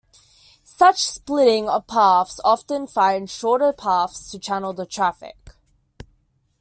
Such splitting of paths often finds shorter paths to channel the traffic.